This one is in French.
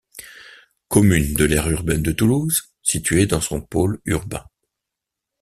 Commune de l'aire urbaine de Toulouse située dans son pôle urbain.